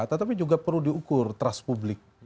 tetapi juga perlu diukur trust publik